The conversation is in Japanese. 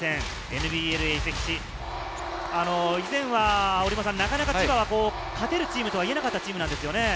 ＮＢＬに移籍し、以前はなかなか千葉は勝てるチームとは言えなかったチームなんですよね。